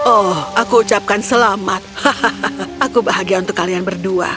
oh aku ucapkan selamat hahaha aku bahagia untuk kalian berdua